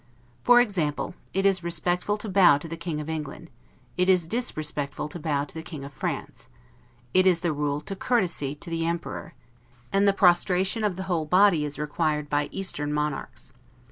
For example, it is respectful to bow to the King of England, it is disrespectful to bow to the King of France; it is the rule to courtesy to the Emperor; and the prostration of the whole body is required by eastern monarchs.